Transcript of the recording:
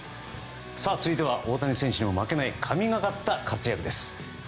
続いては、大谷選手に負けない神がかった活躍です。